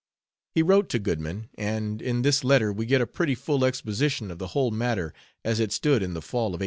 He wrote to Goodman, and in this letter we get a pretty full exposition of the whole matter as it stood in the fall of 1889.